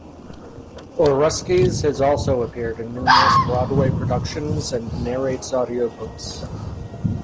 Oreskes has also appeared in numerous Broadway productions and narrates audiobooks.